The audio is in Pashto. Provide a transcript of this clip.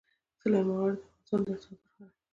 سلیمان غر د افغانستان د اقتصاد برخه ده.